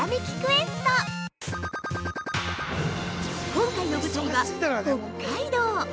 今回の舞台は、北海道。